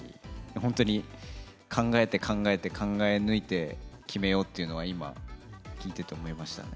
本当に考えて考えて考え抜いて決めようっていうのは今、聞いてて思いましたね。